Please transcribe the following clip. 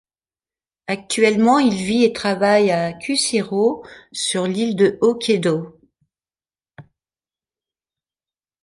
Actuellement, il vit et travaille à Kushiro sur l'île de Hokkaidō.